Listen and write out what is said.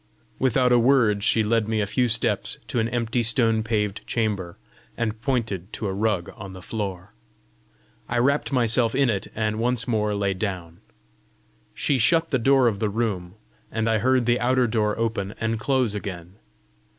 Without a word she led me a few steps to an empty stone paved chamber, and pointed to a rug on the floor. I wrapped myself in it, and once more lay down. She shut the door of the room, and I heard the outer door open and close again.